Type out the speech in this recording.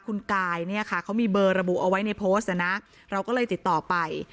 คุณกายมีเบอร์ระบุเอาไว้ในโพสต์นะเราก็เลยติดต่อไป